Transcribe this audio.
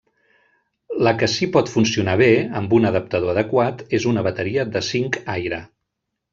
La que si pot funcionar bé, amb un adaptador adequat, és una bateria de zinc-aire.